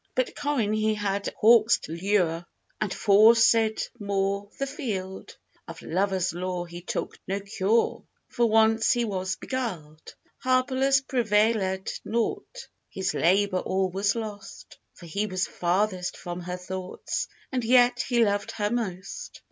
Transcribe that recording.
But Corin, he had hawks to lure, And forcèd more the field; Of lovers' law he took no cure, For once he was beguiled. Harpalus prevailèd nought; His labour all was lost; For he was farthest from her thoughts, And yet he loved her most.